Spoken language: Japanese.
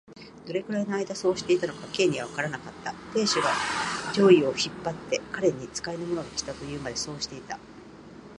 どれくらいのあいだそうしていたのか、Ｋ にはわからなかった。亭主が上衣を引っ張って、彼に使いの者がきた、というまで、そうしていた。